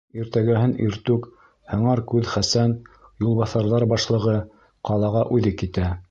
Иртәгәһен иртүк һыңар күҙ Хәсән, юлбаҫарҙар башлығы, ҡалаға үҙе китә.